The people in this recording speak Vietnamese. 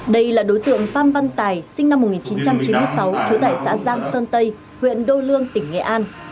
đây là đối tượng phan văn tài sinh năm một nghìn chín trăm chín mươi sáu trú tại xã giang sơn tây huyện đô lương tỉnh nghệ an